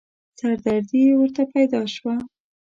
سردردې ورته پيدا شوه.